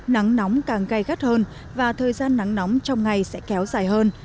nắng nóng càng gai gắt hơn và thời gian nắng nóng trong ngày sẽ kéo dài hơn